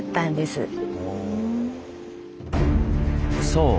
そう。